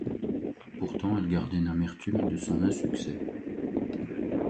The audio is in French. Pourtant, elle gardait une amertume de son insuccès.